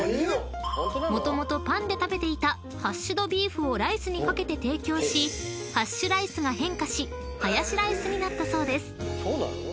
［もともとパンで食べていたハッシュドビーフをライスに掛けて提供しハッシュライスが変化しハヤシライスになったそうです］